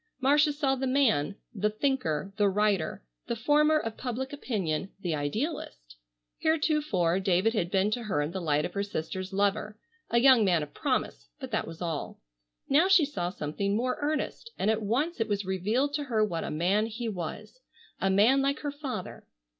Marcia saw the man, the thinker, the writer, the former of public opinion, the idealist. Heretofore David had been to her in the light of her sister's lover, a young man of promise, but that was all. Now she saw something more earnest, and at once it was revealed to her what a man he was, a man like her father.